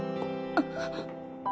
あっ。